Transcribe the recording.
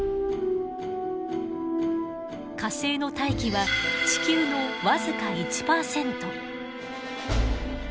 火星の大気は地球の僅か１％。